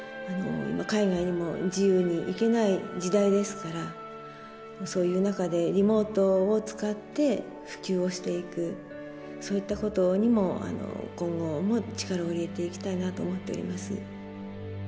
海外にも自由に行けない時代ですからそういう中でリモートを使って普及をしていくそういったことにも今後も力を入れていきたいなと思っております。